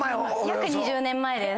約２０年前です。